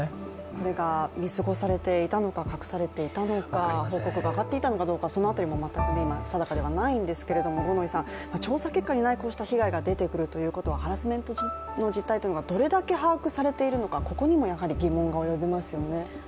これが見過ごされていたのか、隠されていたのか報告が上がっていたのかどうかそのあたりも全く定かではないんですが調査結果にない被害が出てくるということはハラスメントの実態というのがどれだけ把握されているのか、ここにもやはり疑問がおよびますよね。